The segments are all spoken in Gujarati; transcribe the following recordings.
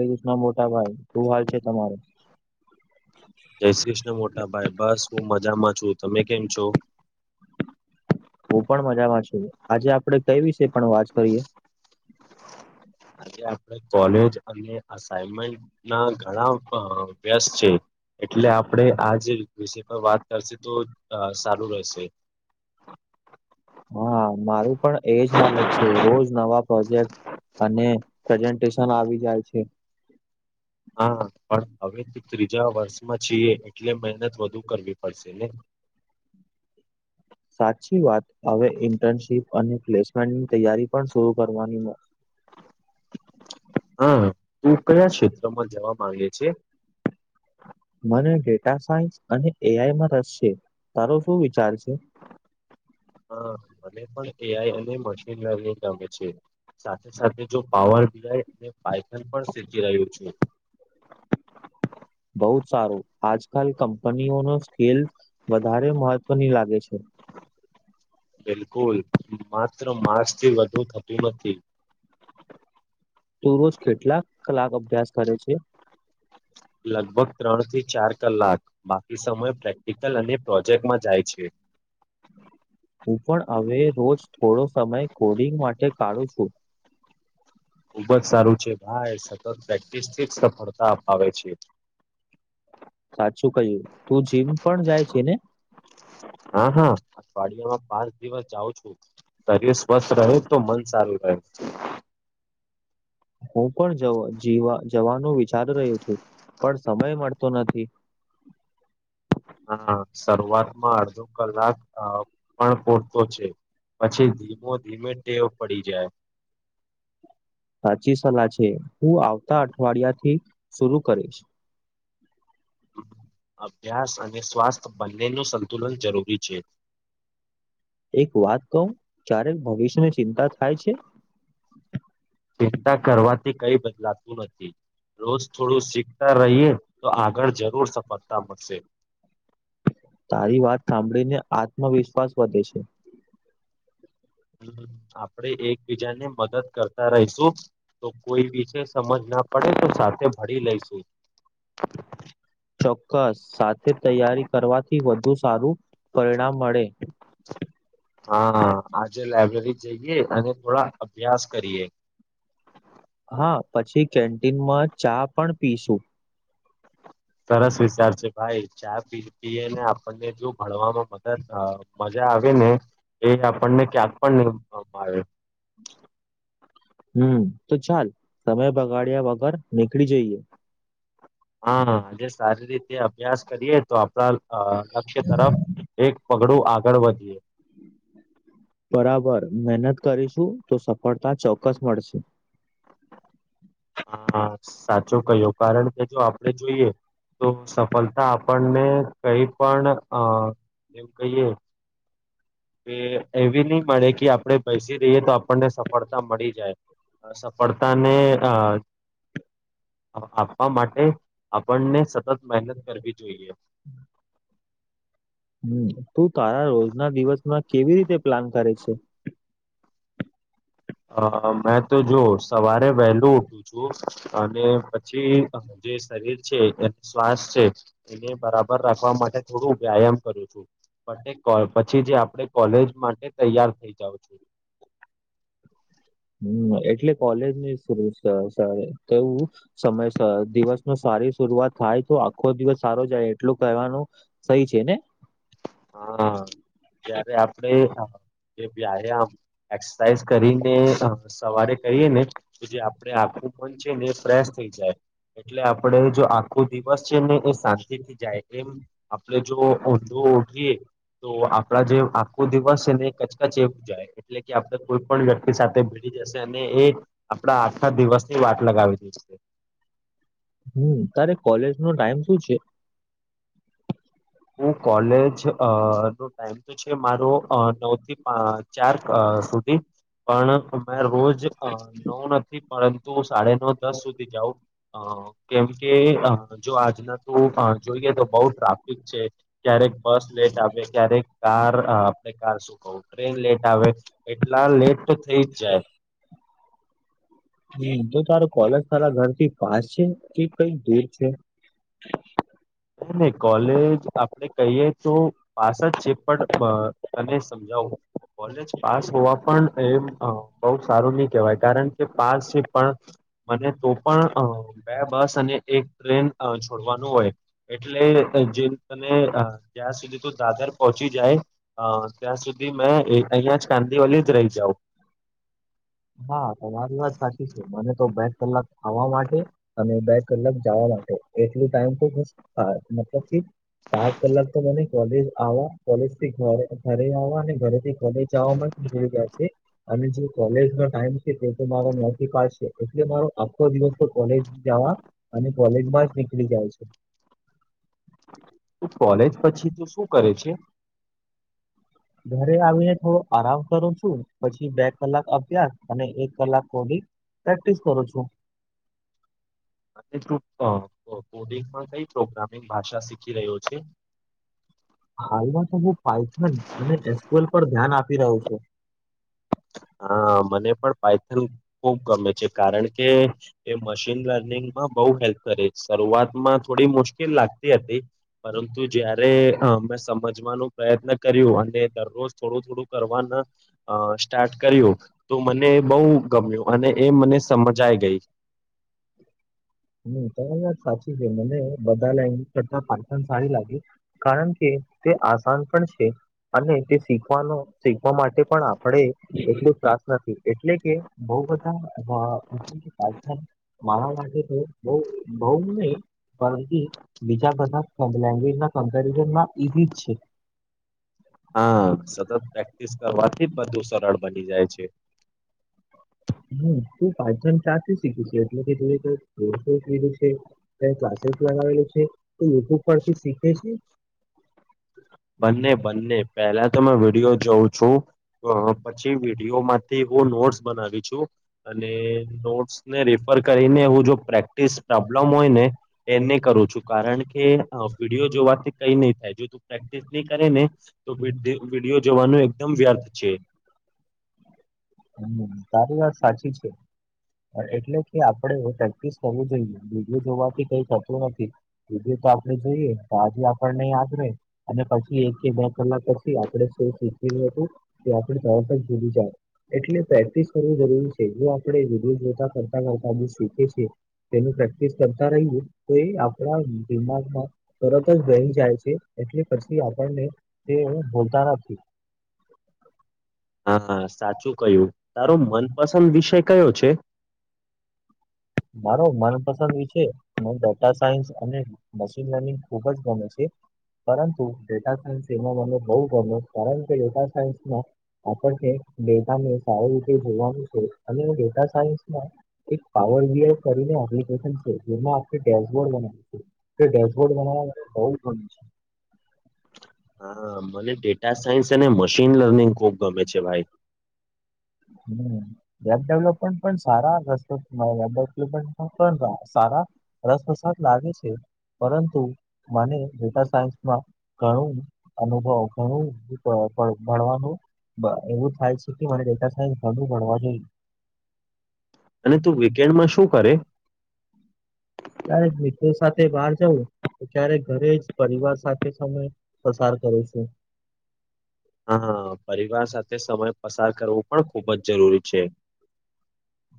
શ્રી કૃષ્ણ મોટા ભાઈ શું હાલ છે તમારો [unintelligible] [inaudible] જય શ્રી કૃષ્ણ મોટા ભાઈ બસ હું મજામાં છું તમે કેમ છો હું પણ મજામાં છું આજે આપડે કઈ વિશે પણ વાત કરીએ આજે આપણે કોલેજ અને અસાઇમેન્ટ ના ઘણા અ વ્યસ છે એટલે આપણેે આ જે વિષય પર વાત કરશે તો અ સારું રહેશે હા મારું પણ એજ હાલત છે રોજ નવા પ્રોજેક્ટ અને પ્રેઝન્ટેશન આવી જાય છે હા પણ હવે ત ત્રીજા વર્ષમાં છીએ એટલે મહેનત વધુ કરવી પડશે ને. સાચી વાત હવે ઇન્ટર્નશીપ અને પ્લેસમેન્ટની તૈયારી પણ શરૂ કરવાની ને. હા તું કયા ક્ષેત્રમાં જવા માંગે છે મને ડેટા સાયન્સ અને એ-આઈમાં રસ છે તારો શું વિચાર છે હા મને પણ એઆઈ અને મશીન લર્નિંગ ગમે છે સાથે સાથે જો પાવર પ્લે અને ફાઇનલ પણ જીતી રહ્યું છે બહુ જ સારું આજકાલ કંપનીઓ ન સ્કેલ વધારે મહત્વની લાગે છે બિલકુલ માત્ર માસ થી વધુ થતું નથી તું રોજ કેટલાક કલાક અભ્યાસ કરે છે લગભગ ત્રણ થી ચાર કલાક બાકી સમય પ્રેક્ટિકલ અને પ્રોજેક્ટ માં જાય છે હું પણ હવે રોજ થોડો સમય કોડિંગ માટે કાઢું છું ખુબ જ સારું છે ભાઈ સતત પ્રેક્ટિસ થીજ સફળતા અપાવે છે સાચું કહ્યું તું જીમ પણ જાય છે ને હા હા અઠવાડિયામાં પાંચ દિવસ જાઉ છું શરીર સ્વસ્થ રહે તો મન સારું રહે હું પણ જવા જીવા જવાનું વિચારી રહ્યો છું પણ સમય મળતો નથી હા શરૂઆતમાં અડધો કલાક અ પણ પૂરતો છે પછી ધીમો ધીમે ટેવ પડી જાય સાચી સલાહ છે હું આવતા અઠવાડિયા થી શરુ કરીશ અભ્યાસ અને સ્વાસ્થ્ય બંને નું સંતુલન જરૂરી છે એક વાત કહું ચારેક ભવિષ્યની ચિંતા થાય છે ચિંતા કરવાથી કઈ બદલાતું નથી રોજ થોડું શીખતા રહીએ તો આગળ જરૂર સફળતા મળશે તારી વાત હાંભડીને આત્મવિશ્વાસ વધે છે. આપડે એકબીજા ને મદદ કરતા રહીશું તો કોઈ વિષ સમજ ના પડે તો સાથે ભરી લઈશું ચોક્કસ સાથે તૈયારી કરવાથી વધુ સારું પરિણામ મળે હા આજે લાયબ્રેરી જઈએ અને થોડા અભ્યાસ કરીએ હા પછી કેન્ટીનમાં ચા પણ પીશું સરસ વિચારશે ભાઈ ચા પી એ એને આપણને જો ભણવામાં મ મજા આવે ને એ આપણને ક્યાંક પણ નહીવામાં આવે હમ તો ચાલ સમય બગાડ્યા વગર નીકળી જઈએ હા આજ સારી રીતે અભ્યાસ કરીએ તો આપડા અ લક્ષ્ય તરફ એક પગડું આગળ વધીએ બરાબર મહેનત કરીશું તો સફળતા ચોક્કસ મળશે હા સાચું કહ્યું કારણ કે જો આપડે જોઈએ તો સફળતા આપણને કઈ પણ અ એમ કહીએ એવી નહી મળે કે આપડણે બેસી રહીએ તો આપણને સફળતા મળી જાય સફળતા ને અ આપવા માટે આપણને સતત મહેનત કરવી જોઈએ હમ હમ તું તારા રોજના દિવસમાં કેવી રીતે પ્લાન કરે છે હ મેં તો જોશ સવારે વહેલું ઉઠું છું અને પછી જે શરીર છે શ્વાસ છે એને બરાબર રાખવા માટે થોડું વ્યાયામ કરું છું બ પછી જે આપડે કોલેજ માટે તૈયાર થઇ જાઉ છું હમ એટલે કોલેજ ની તોવું સમય દિવસ ન સારી શરઆત થાય તો આખો દિવસ સારો જાય એટલું કહેવાનું સહી છે ને હા જયારે આપડે જે વ્યાયામ એક્સરસાઇઝ કરીને સવારે કરીએ ને તો જે આપે આું પહોંચીએ ને એ ફ્રેશ થઈ જાય એટલે આપડે જો આખો દિવસ છે ને એ શાંતિ થી જાય એમ આપણે જોુ જી તો આપડા જે આખો દિવસ છે ને કચકચ એવું જાય એટલે કે આપણે કોઈ પણ વ્યક્તિ સાથે ભીડી જશે અને એ આપડા આઠા દિવસની વાત લગાવી દઈ છે હમ તારે કોલેજ નો ટાઈમ શું છે હું કોલેજ અ ટાઈમ તો છે મારો નવ થી ચાર સુધી પણ મેં રોજ નવ નથી પરંતુ સાડ નવ દસ સુધી જાઉં અ કેમકે જો આજના તું જોઈએ તો બહ ત્રાપ છે ક્યારેક બસ લેટ આવે ક્યારેક કાર આપણે કાર શું કવું ટ્રેન લેટ આવે એટલા લેટ થઈ જ જાય હમ તો તારું કોલેજ તારા ઘર થી પાસ છે કે કઈક દૂર છે ન નહી કોલેજ આપડે કહીએ તો પાસ જ છે પણ તને સમજાવું કોલેજ પાસ હોવા પણ એમ બહ સારું ની કહેવાય કારણ કે પાલથી પણ મને તો પણ બે બસ અને એક ટ્રેન છોડવાનું હોય એટલે જે તને ત્યાં સુધી તો દાદર પહોંચી જાય અ ત્યાં સુધી મેં અહિયાં જ કાંદીઓલી જ રહી જાાવ હા તમા વારી વાત સાચી છે મને તો બે કલાક ખાવા માટે અને બે કલાક જવા માટે એટલું ટાઈમ તો બ મતલબ સાત કલાક તો મને કોલેજ આવ કોલેજ થી ઘરે ઘરે આવવા અને ઘરેથી કોલેજ જાવામાં જ નીકળી ગયા છે અને જે કોલેજ નો ટાઈમ છે, તે તો મારા નવ થી પાંસે. એટલે મારો આખો દિવસ તો કોલેજ જાવા અને કોલેજમાં જ નીકળી જાય છે. તુ કોલેજ પછી તો શું કરે છે? ઘરે આવીને થોડો આરામ કરું છું, પછી બે કલાક અભ્યાસ અને એક કલાક થોડી પ્રેક્ટિસ કરું છોં. [unintelligible] અ કોડિગ મા કઈ પ્રોગ્રામિંગ ભાષા શીખી રહ્યો છે? હાલમાં તો હું પાઇથન અને એસપલ પર ધ્યાન આપી રહ્યો છું. હા. મને પણ પઇથલ ખુબ ગમે છે, કારણ કે એ મશીન લર્નિંગમાં બઉ હેલ્પ કરે છ, શરૂઆતમાં થોડી મુશ્કેલ લાગતી હતી. પરંતુ જયારે અ મે સમજવાનું પ્રયત્ન કર્યું અને દરોજ થોડું થોડું કરવાના આ સ્ટાટ કર્યું, તો મને બઉ ગમ્યું અને એ મને સમજાય ગઈ. હમ્મ તમાયી વાત સાચી સે. મને બધા લેગવેજ કરતા પાઈથન સારી લાગે. કારણ કે, તે આસાન પણ છે. અને તે શીખવાનો શીખવા માટે પણ આપણે એટલો ત્રાસ નથી, એટલે કે બઉ બધા અ [unintelligible] મારા માટે તો બઉ-બઉ નઈ. કારણ કે, બીજા બધા ફોમ લેંગ્વેજ ના કમ્પેરિઝનમાં ઈઝી જ છે. હા, સતત પ્રેક્ટિસ કરવાથી બધુ સરળ બની જાય છે. હમ્મ તું પાંચન તાથી શીખી સે એટલે કે તે [unintelligible] કીધું છે. કય ક્લાસીસ લગાવેલુ છે, તો યુટ્યુબ પરથી શીખે છે? બંને બંને પહેલા તો વિડીયો જોઉં છું. અ પછી વિડીયોમા તે બો નોટ્સ બનાવી છોં. અને નોટ્સ ને રીફર કરીને, ઉં જો પ્રેક્ટિસ પ્રોબ્લમ હોય ને એન્ને કરુ છું, કારણ કે અ વિડીયો જોવાથી કઈ નઈ થાય. જો તુ પ્રેક્ટિ ની કરે ને તો વિડી વિડીયો જોવાનો એકદમ વ્યર્થ છે. હમ, તારી વાત સાચી છે. એટલે કે, આપણેે પ્રેક્ટિસ કરું જોઈએ, બીજું જોવાથી કઈ થતું નથી. [unintelligible] જોઈએ તો આજે આપણને યાદ રે અને પછી એક કે બે કલાક પછી આપડણે સુ સીખેલુ હતુ. કે આપડણે જવાબ જ ભૂલી જાય એટલે પ્રેક્ટિસ કરવુ જરૂરી છે. એટલું આપણે વિધિ જોતા કરતા કરતા બી શીખે છે. તેનુ પ્રેક્ટિસ કરતા રઈયૂ, તો એ આપણા દિમાગમાં તરત જ બ્લેન્ડ જાય છે, એટલે પછી આપણને તે હું ભૂલતા નથી. હા હા, સાચું કયું, તારો મનપસંદ વિષય કયો છે? મારો મનપસંદ વિષ હ ડેટા સાયન્સ અને મશીન લર્નિંગ ખુબ જ ગમે છે. પરંતુ ડેટા સાયન્સ એમાં મને બહુ ગમે યો કારણ કે ડેટા સાયન્સમાં આપણને ડેટાને સારી રીતે જોવાનું છે અને ડેટા સાયસમાં એક પાવર જ કરીને એપ્લિકેશન છે જેમાં આપણે ડેશબોર્ડ બનાવ તે ડેશબોર્ડ બનાવવા માટે બહુ જ બને છે હા મને ડેટા સાયન્સ અને મશીન લર્નિંગ ખુબ ગમે છે ભાઈ હમ્મ વેબ ડેવલપમેન્ટ પણ સારા રસ વેબ ડેવલપમેન્ટ પણ સારા રસ પ્રસાદ લાગે છે પરંતુ મને ડેટા સાયન્સમાં ઘણું અનુભવ ઘણું ભણવાનું એવું થાય છે કે મારે ડેટા થાય ઘણું ભણવા જોઈએ, અને તું વીકેન્ડમાં શું કરે ક્યારેક મિત્રો સાથે બહાર જવું ક્યારે ઘરે જ પરિવાર સાથે સમય પસાર કરે છે હા પરિવાર સાથે સમય પસાર કરવો પણ ખુબ જ જરૂરી છે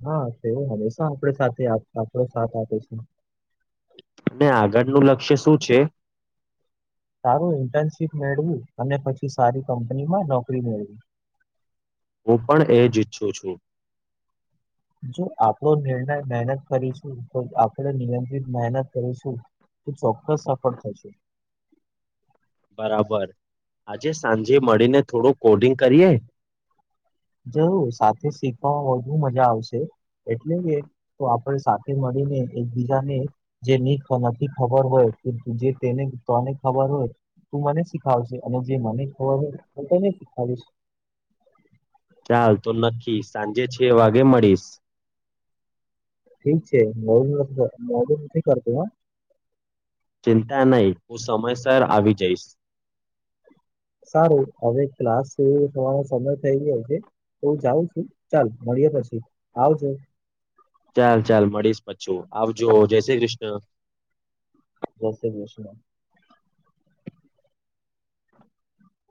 હા તેવું હવે છેું આપડ સાથે આપડો સા આપે છે અને આગળ નું લક્ષ્ય શું છે સારું ઇન્ટર્નશીપ મેળવું અને પછી સારી કંપનીમાં નોકરી મેળવી હું પણ એ જ ઈચ્છું છું જો આપણો નિર્ણય મહેનત કરીશું, આપણે નિયમિત મહેનત કરીશું તો ચોક્કસ સફળ થશે. બરાબર. આજે સાંજે મળીને થોડું કોડિંગ કરીએ? જરૂર. સાથે શીખવા વધુ મજા આવશે. એટલે કે તો આપણે સાથે મળીને એકબીજાને જે ની નથી ખબર હોય [unintelligible] તેને તને ખબર હોય તું મને શીખાવજે. અને જે મને ખબર હોય હું તને શિખાડીશ. ચાલ તો નક્કી. સાંજે છે વાગે મળીશ. ઠીક છે [unintelligible] ચિંતા નહીં, હું સમયસર આવી જઈશ. સારું. હવે ક્લાસ થવાનો સમય થઈ ગયો છે. તો હું જાઉં છું. ચાલ મળીએ પછી. આવજો. ચાલ-ચાલ મળીશ પછું. આવજો. જય શ્રી કૃષ્ણ. જય શ્રી કૃષ્ણ.